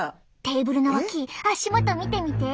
テーブルの脇足元見てみて！